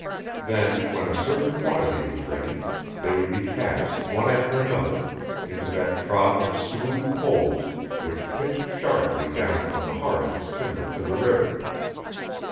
Then, when a certain quantity was ready, they would be cast one after another into that trough of smooth poles which pitched sharply down from the heart of his timber to the river.